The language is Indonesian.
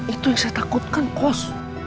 itu yang saya takutkan kos